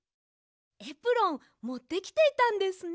エプロンもってきていたんですね。